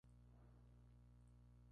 Asesoría Jurídica General de la Defensa.